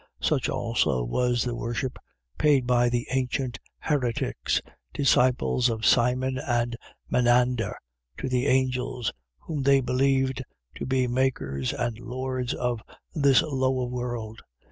Such also was the worship paid by the ancient heretics, disciples of Simon and Menander, to the angels, whom they believed to be makers and lords of this lower world.